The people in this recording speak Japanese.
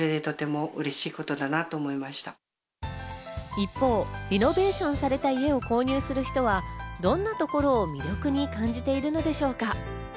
一方、リノベーションされた家を購入する人は、どんなところを魅力に感じているのでしょうか？